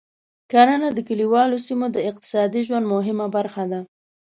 کرنه د کليوالو سیمو د اقتصادي ژوند مهمه برخه ده.